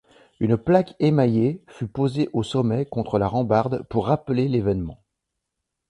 Une plaque émaillée fut posée au sommet contre la rambarde pour rappeler l'événement.